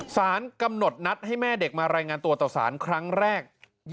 สารกำหนดนัดให้แม่เด็กมารายงานตัวต่อสารครั้งแรก